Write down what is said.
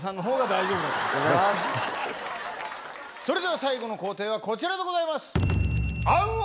それでは最後の工程はこちらでございます。